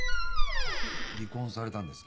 離婚されたんですか？